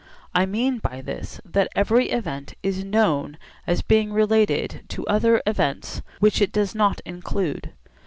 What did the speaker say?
I mean by this that every event is known as being related to other events which it does not include.